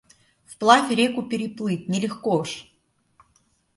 Вплавь реку переплыть не легко ж!